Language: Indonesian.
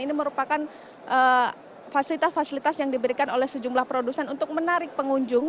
ini merupakan fasilitas fasilitas yang diberikan oleh sejumlah produsen untuk menarik pengunjung